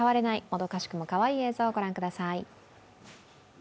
もどかしくもかわいい映像御覧ください。